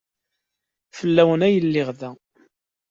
Fell-awent ay lliɣ da.